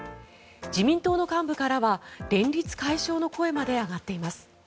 自民党の幹部からは連立解消の声まで上がっています。